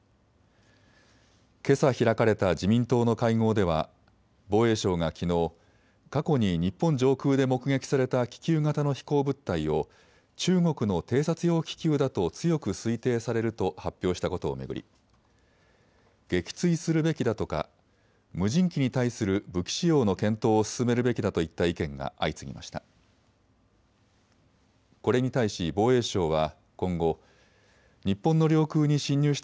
けさ開かれた自民党の会合では防衛省がきのう過去に日本上空で目撃された気球型の飛行物体を中国の偵察用気球だと強く推定されると発表したことを巡り撃墜するべきだとか無人機に対する武器使用の検討を進めるべきだといった意見が相次ぎました。